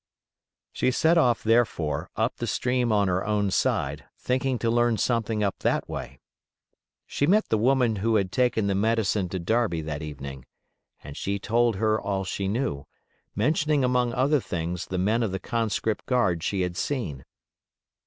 She set off, therefore, up the stream on her own side, thinking to learn something up that way. She met the woman who had taken the medicine to Darby that evening, and she told her all she knew, mentioning among other things the men of the conscript guard she had seen.